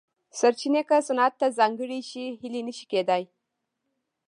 سرچینې که صنعت ته ځانګړې شي هیلې نه شي کېدای.